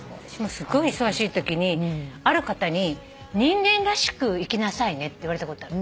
すごい忙しいときにある方に「人間らしく生きなさいね」って言われたことがある。